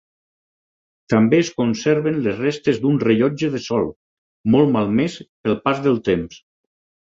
També es conserven les restes d’un rellotge de sol, molt malmès pel pas del temps.